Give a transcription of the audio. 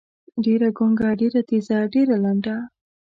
ډېــره ګونګــــــه، ډېــره تېــزه، ډېــره لنډه.